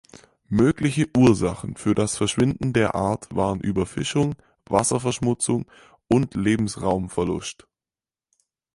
Mögliche Ursachen für das Verschwinden der Art waren Überfischung, Wasserverschmutzung und Lebensraumverlust.